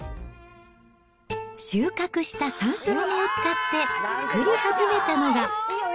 収穫したさんしょうの実を使って作り始めたのが。